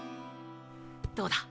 どうだ？